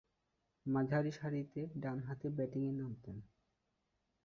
মাঝারিসারিতে ডানহাতে ব্যাটিংয়ে নামতেন।